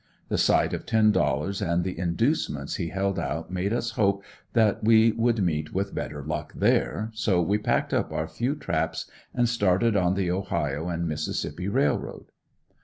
The sight of ten dollars and the inducements he held out made us hope that we would meet with better luck there, so we packed up our few traps and started on the Ohio and Mississippi railroad.